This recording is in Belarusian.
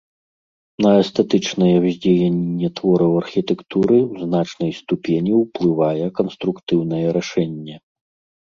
На эстэтычнае ўздзеянне твораў архітэктуры ў значнай ступені ўплывае канструктыўнае рашэнне.